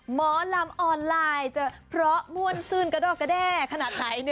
หมอลำออนไลน์จะเพราะม่วนซื่นกระดอกกระแด้ขนาดไหน